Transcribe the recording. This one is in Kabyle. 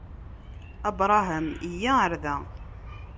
Abṛaham! Yya ɣer da!